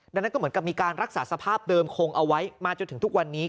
ดังนั้นคือมีการรักษาสภาพแบบเดิมคงเอาไว้มาจนถึงทุกวันนี้